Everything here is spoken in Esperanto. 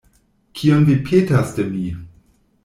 Kion vi petas de mi?